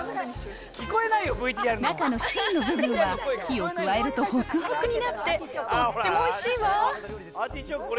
中の芯の部分は火を加えるとほくほくになって、とってもおいしいわ。